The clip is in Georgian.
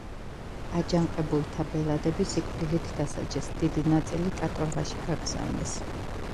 აჯანყებულთა ბელადები სიკვდილით დასაჯეს, დიდი ნაწილი კატორღაში გაგზავნეს.